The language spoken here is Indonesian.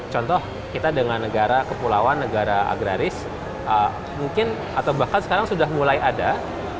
contoh kita dengan negara kepulauan negara agraris mungkin atau bahkan sekarang sudah mulai ada